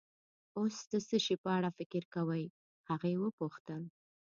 اوس د څه شي په اړه فکر کوې؟ هغې وپوښتل.